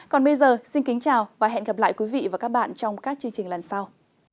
còn bây giờ xin kính chào và hẹn gặp lại quý vị và các bạn trong các chương trình lần sau